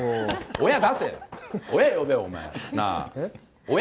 親出せや。